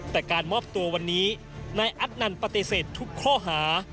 แต่การมอบตัววันนี้นายอัตนันต์ปฏิเสธทุกข้อหา